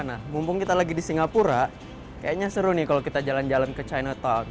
nah mumpung kita lagi di singapura kayaknya seru nih kalau kita jalan jalan ke china talk